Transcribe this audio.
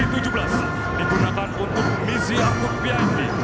digunakan untuk misi akut bip